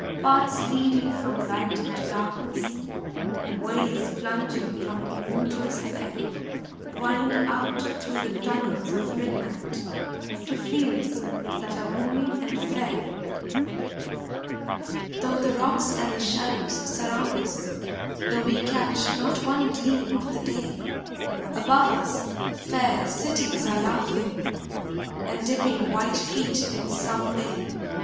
Paths leading from light into darkness, Ways plunging from gloom to despair, Wind out through the tunnels of midnight To fields that are blooming and fair. Though the rocks and the shadows surround us. Though we catch not one gleam of the day, Above us fair cities are laughing, And dipping white feet in some bay.